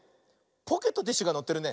ポケットティッシュがのってるね。